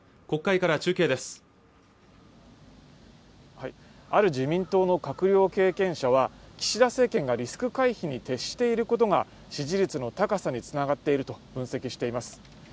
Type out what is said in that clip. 国会から中継ですある自民党の閣僚経験者は岸田政権がリスク回避に徹していることが支持率の高さにつながっていると分析しています